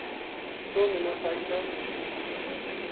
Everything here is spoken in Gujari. توہ منا سچ دس ‘‘